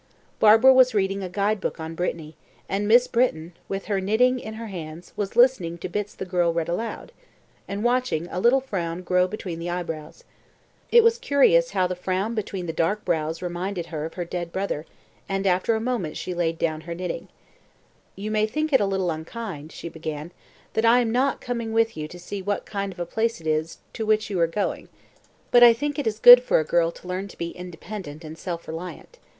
Barbara was reading a guide book on Brittany, and Miss Britton, with her knitting in her hands, was listening to bits the girl read aloud, and watching a little frown grow between the eyebrows. It was curious how the frown between the dark brows reminded her of her dead brother; and after a moment she laid down her knitting. [Illustration: "Barbara was reading a guide book on Brittany."] "You may think it a little unkind, Barbara," she began, "that I am not coming with you to see what kind of place it is to which you are going, but I think it is good for a girl to learn to be independent and self reliant.